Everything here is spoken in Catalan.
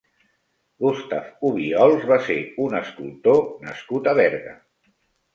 Gustave Obiols va ser un escultor nascut a Berga.